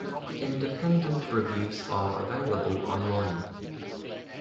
Independent reviews are available online.